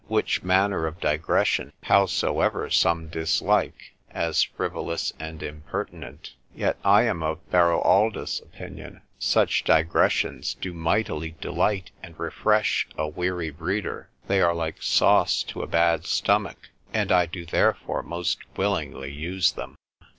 Which manner of digression, howsoever some dislike, as frivolous and impertinent, yet I am of Beroaldus's opinion, Such digressions do mightily delight and refresh a weary reader, they are like sauce to a bad stomach, and I do therefore most willingly use them.